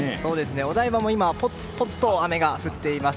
お台場もぽつぽつと雨が降っています。